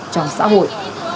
trong xã hội